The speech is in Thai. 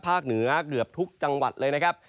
เหนือเกือบทุกจังหวัดเลยนะครับ